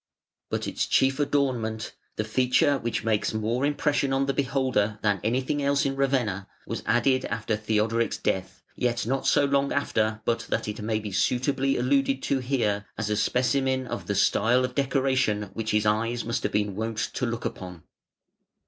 But its chief adornment, the feature which makes more impression on the beholder than anything else in Ravenna, was added after Theodoric's death, yet not so long after but that it may be suitably alluded to here as a specimen of the style of decoration which his eyes must have been wont to look upon.